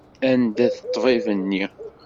Anda-t ṭṭbib-nni?